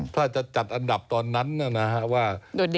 ถ้าจะจัดอันดับตอนนั้นนะครับว่า